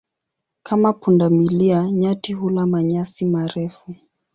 Kama punda milia, nyati hula manyasi marefu.